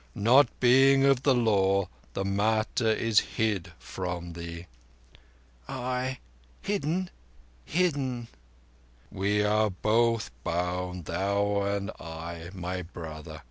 Not being of the Law, the matter is hid from thee." "Ay—hidden—hidden." "We are both bound, thou and I, my brother.